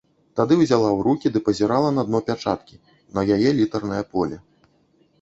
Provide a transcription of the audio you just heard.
Тады ўзяла ў рукі ды пазірала на дно пячаткі, на яе літарнае поле.